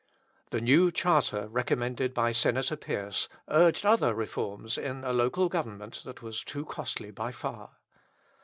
The new charter recommended by Senator Pierce urged other reforms in a local government that was too costly by far.